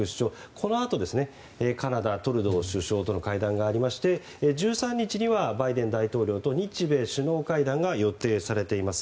そのあと、カナダのトルドー首相との会談がありまして１３日にはバイデン大統領と日米首脳会談が予定されています。